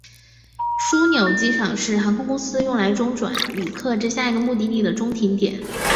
枢纽机场是航空公司用来中转旅客至下一个目的地的中停点。